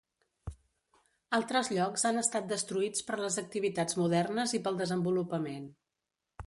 Altres llocs han estat destruïts per les activitats modernes i pel desenvolupament.